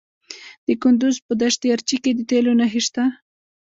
د کندز په دشت ارچي کې د تیلو نښې شته.